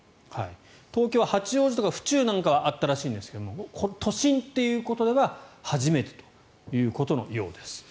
東京は八王子とか府中なんかはあったらしいんですが都心ということでは初めてということらしいです。